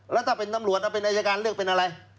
แล้วถ้าเป็นตำรวจเป็นอายการเลือกเป็นอะไร